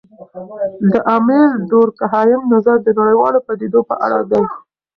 د امیل دورکهايم نظر د نړیوالو پدیدو په اړه دی.